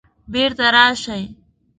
بیرته راشئ